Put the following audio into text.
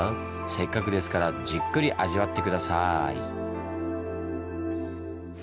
せっかくですからじっくり味わって下さい。